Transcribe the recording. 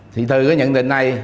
thì từ cái nhận định này